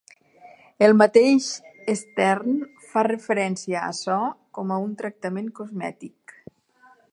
El mateix Stern fa referència a açò com a un tractament "cosmètic".